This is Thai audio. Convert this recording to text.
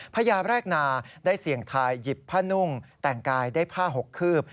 พญาแรกนาได้เสี่ยงทายหยิบผ้านุ่งแต่งกายได้ผ้าหกคืบ